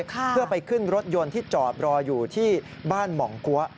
เพื่อไปขึ้นรถยนต์ที่จอดรออยู่ที่บ้านหม่องกัว